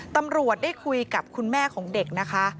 ตำรวจได้คุยกับคุณแม่ของเด็กนะคะ